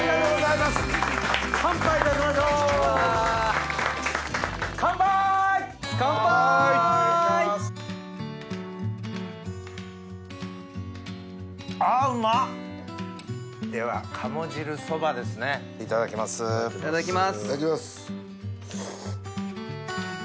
いただきます。